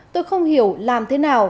tôi không hiểu làm thế nào